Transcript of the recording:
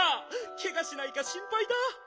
ケガしないかしんぱいだ」。